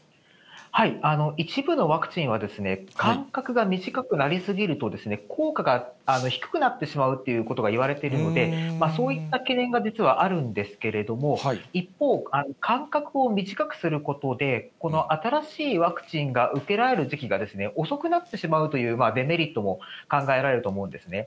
一部のワクチンは間隔が短くなりすぎると、効果が低くなってしまうということが言われているので、そういった懸念が実はあるんですけれども、一方、間隔を短くすることで、新しいワクチンが受けられる時期が遅くなってしまうというデメリットも考えられると思うんですね。